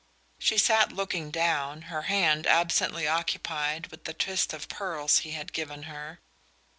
She sat looking down, her hand absently occupied with the twist of pearls he had given her.